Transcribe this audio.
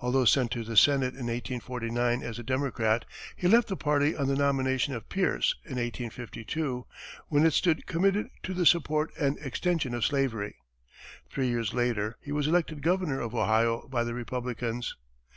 Although sent to the Senate in 1849 as a Democrat, he left the party on the nomination of Pierce in 1852, when it stood committed to the support and extension of slavery. Three years later, he was elected governor of Ohio by the Republicans.